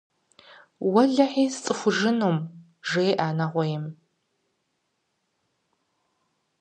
– Уэлэхьи сцӀыхужынум, – жеӀэ нэгъуейм.